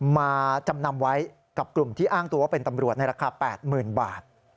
มาจำนำไว้กับกลุ่มที่อ้างตัวว่าเป็นตำรวจในราคา๘๐๐๐บาท